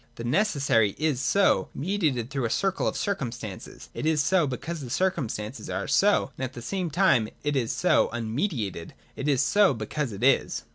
The necessary is so, mediated through a circle of circumstances : it is so, because the circumstances are so, and at the same time it is so, unmediated : it is so, because it is.